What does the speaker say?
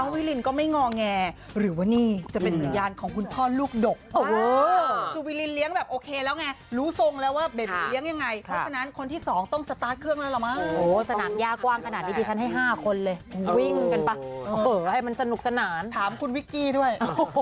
สนับยากว้างขนาดนี้พี่ฉันให้ห้าคนเลยวิ่งกันป่ะให้มันสนุกสนานถามคุณวิกกี้ด้วย